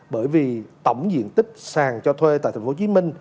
bởi vì tổng diện tích sàng cho thuê tại tp hcm